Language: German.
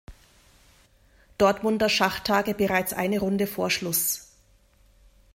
Dortmunder Schachtage bereits eine Runde vor Schluss.